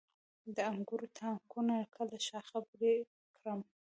د انګورو تاکونه کله شاخه بري کړم؟